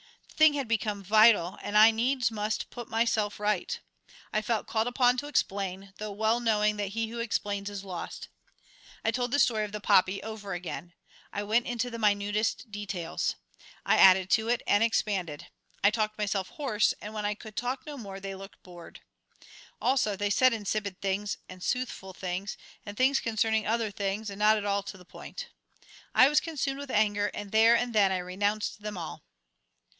The thing had become vital, and I needs must put myself right. I felt called upon to explain, though well knowing that he who explains is lost. I told the story of the poppy over again. I went into the minutest details. I added to it, and expanded. I talked myself hoarse, and when I could talk no more they looked bored. Also, they said insipid things, and soothful things, and things concerning other things, and not at all to the point. I was consumed with anger, and there and then I renounced them all.